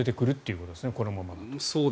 このままだと。